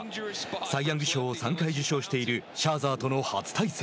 サイ・ヤング賞を３回受賞しているシャーザーとの初対戦。